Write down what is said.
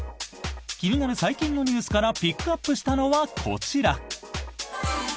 気になる最近のニュースからピックアップしたのはこちら！